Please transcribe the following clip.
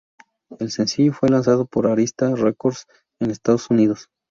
El sencillo fue lanzado por Arista Records en Estados Unidos.